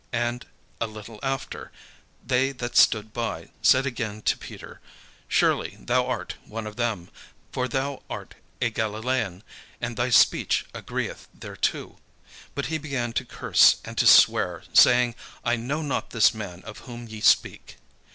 And a little after, they that stood by said again to Peter, "Surely thou art one of them: for thou art a Galilaean, and thy speech agreeth thereto." But he began to curse and to swear, saying, "I know not this man of whom ye speak."